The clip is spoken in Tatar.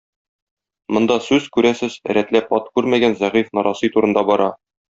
Монда сүз, күрәсез, рәтләп ат күрмәгән зәгыйфь нарасый турында бара.